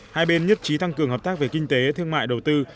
hai bên nhất trí tăng cường hợp tác về kinh tế thương mại đầu tư